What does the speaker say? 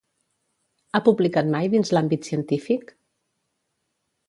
Ha publicat mai dins l'àmbit científic?